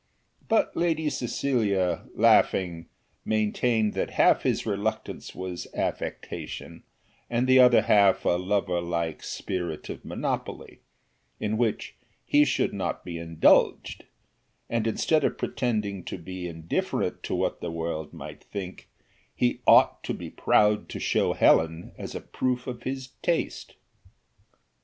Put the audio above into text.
But Lady Cecilia, laughing, maintained that half his reluctance was affectation, and the other half a lover like spirit of monopoly, in which he should not be indulged, and instead of pretending to be indifferent to what the world might think, he ought to be proud to show Helen as a proof of his taste.